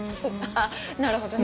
なるほどね。